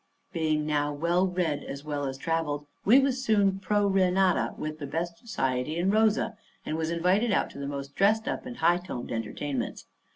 Being now well read as well as travelled, we was soon pro re nata with the best society in Rosa, and was invited out to the most dressed up and high toned entertainments.